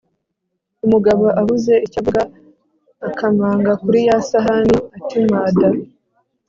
umugabo abuze icyo avuga akamanga kuri ya sahani atimada